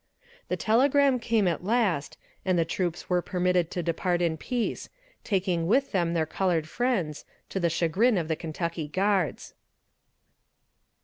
The telegram came at last, and the troops were permitted to depart in peace taking with them their colored friends, to the chagrin of the Kentucky guards.